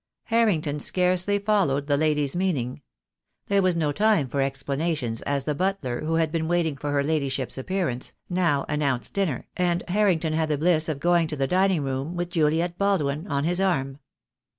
Harrington scarcely followed the lady's meaning. There was no time for explanations, as the butler, who had been waiting for her Ladyship's appearance, now announced dinner, and Harrington had the bliss of going to the dining room Avith Juliet Baldwin on his arm.